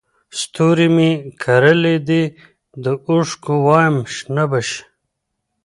ستوري مې کرلي دي د اوښکو وایم شنه به شي